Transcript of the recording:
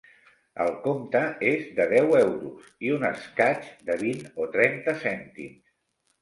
El compte és de deu euros i un escaig de vint o trenta cèntims.